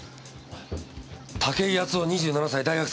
武井敦夫２７歳大学生。